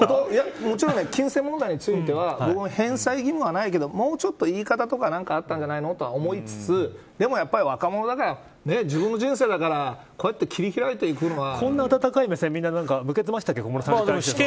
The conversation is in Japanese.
もちろん、金銭問題については返済義務はないけどもうちょっと言い方とか何かあったんじゃないのとは思いつつでもやっぱり若者だから自分の人生だからこうやって切り開いていくのは。